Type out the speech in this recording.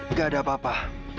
gak ada apa apa